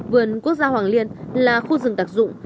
vườn quốc gia hoàng liên là khu rừng đặc dụng